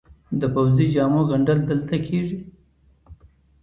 د پوځي جامو ګنډل دلته کیږي؟